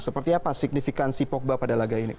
seperti apa signifikansi pogba pada laga ini